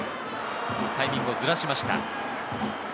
タイミングをずらしました。